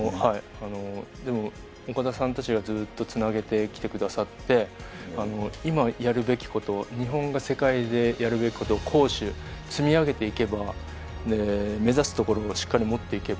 でも岡田さんたちがずっと積み上げてきてくださって今やるべきこと日本が世界でやるべきこと攻守、積み上げていけば目指すところをしっかり持っていけば